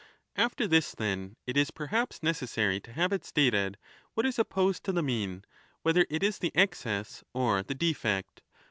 After this, then, it is perhaps necessary to have it stated 9 5 what is opposed to the mean, whether it is the excess or the defect.